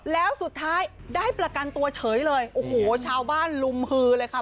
แล้วสุดท้ายได้ประกันตัวเฉยเลยโอ้โหชาวบ้านลุมฮือเลยค่ะ